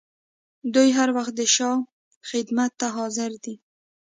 دوی هر وخت د شاه خدمت ته حاضر دي.